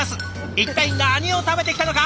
一体何を食べてきたのか